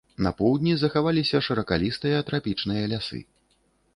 На поўдні захаваліся шыракалістыя трапічныя лясы.